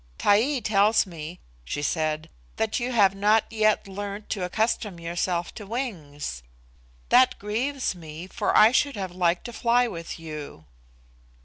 "Taee tells me," she said, "that you have not yet learned to accustom yourself to wings. That grieves me, for I should have liked to fly with you."